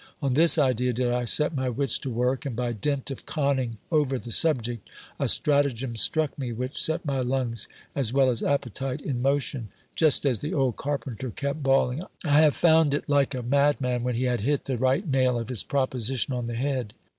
On this idea did I set my wits to work ; and, by dint of conning over the subject, a stratagem struck me, which set my lungs as well as appetite ir motion, just as the old carpenter kept bawling, " I have found it," like a m adman, when he had hit the right nail of his proposition on the head.